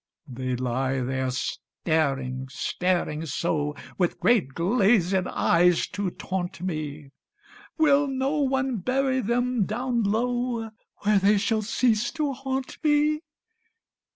They lie there, staring, staring so With great, glazed eyes to taunt me. Will no one bury them down low, Where they shall cease to haunt me?